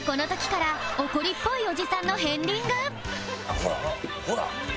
ほらほら。